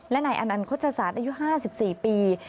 และนายอันอันโคชศาสตร์อายุห้าสิบสี่ปี